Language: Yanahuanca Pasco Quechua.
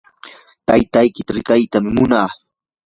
taytaykita riqitam munaa.